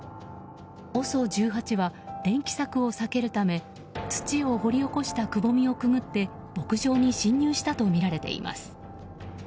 ＯＳＯ１８は電気柵を避けるため土を掘り起こしたくぼみをくぐって牧場に侵入したとみられています。